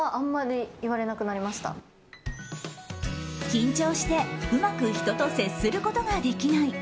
緊張してうまく人と接することができない。